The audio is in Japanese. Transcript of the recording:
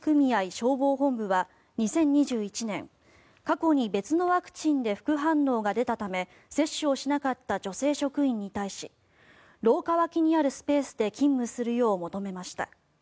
消防本部は２０２１年過去に別のワクチンで副反応が出たため接種をしなかった女性職員に対し廊下脇にあるスペースで勤務するよう求めました。